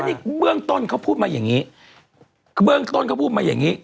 นี่เบื้องต้นเขาพูดมาอย่างงี้คือเบื้องต้นเขาพูดมาอย่างงี้